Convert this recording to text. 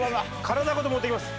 体ごともっていきます。